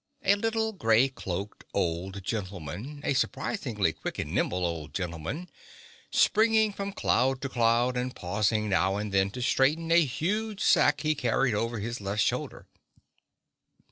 A little gray cloaked old gentleman—a surprisingly quick and nimble old gentleman—springing from cloud to cloud and pausing now and then to straighten a huge sack he carried over his left shoulder.